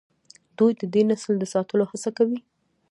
دوی د دې نسل د ساتلو هڅه کوي.